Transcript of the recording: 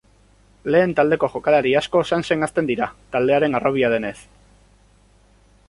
Lehen taldeko jokalari asko Sansen hazten dira, taldearen harrobia denez.